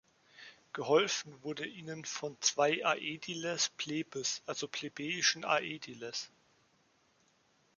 Geholfen wurde ihnen von zwei „aediles plebis“, also plebejischen Aediles.